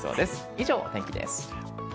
以上、お天気でした。